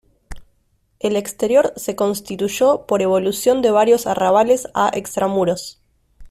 El exterior se constituyó por evolución de varios arrabales a extramuros.